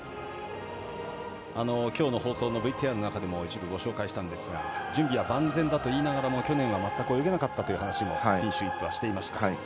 きょうの放送のＶＴＲの中でも一部ご紹介しましたが準備は万全だと言いながらも去年は全く泳げなかったという話もピンシュー・イップしていました。